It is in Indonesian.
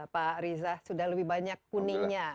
pak riza sudah lebih banyak kuningnya